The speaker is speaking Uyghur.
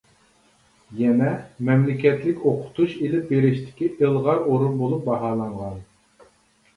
يەنە مەملىكەتلىك ئوقۇتۇش ئېلىپ بېرىشتىكى ئىلغار ئورۇن بولۇپ باھالانغان.